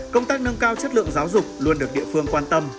công tác nâng cao chất lượng giáo dục luôn được địa phương quan tâm